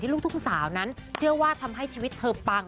ลูกทุ่งสาวนั้นเชื่อว่าทำให้ชีวิตเธอปัง